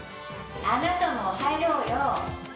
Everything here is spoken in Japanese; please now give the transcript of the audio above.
あなたも入ろうよ！